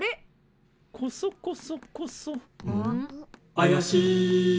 「あやしい」